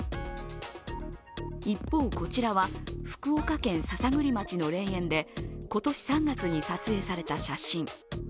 一方、こちらは福岡県篠栗町の霊園で今年３月に撮影された写真。